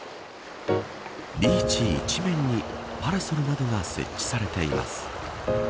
ビーチ一面にパラソルなどが設置されています。